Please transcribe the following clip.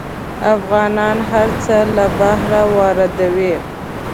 افغانان هر څه له بهر واردوي.